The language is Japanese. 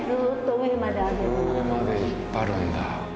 上まで引っ張るんだ。